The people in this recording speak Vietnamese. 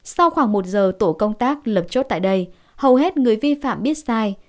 sau khoảng một giờ tổ công tác lập chốt tại đây hầu hết người vi phạm biết sai